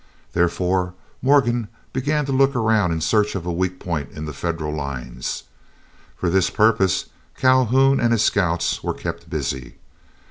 Therefore Morgan began to look around in search of a weak point in the Federal lines. For this purpose Calhoun and his scouts were kept busy.